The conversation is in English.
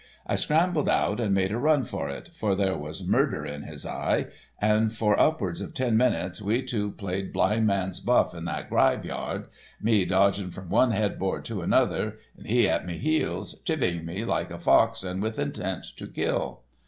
I scrambled out and made a run for it, for there was murder in his eye, and for upwards of ten minutes we two played blindman's buff in that gryveyard, me dodging from one headboard to another, and he at me heels, chivying me like a fox and with intent to kill.